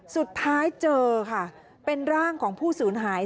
สุดท้ายเจอค่ะเป็นร่างของผู้สูญหาย